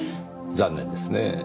残念ですねぇ。